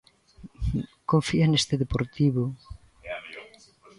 Confía neste Deportivo.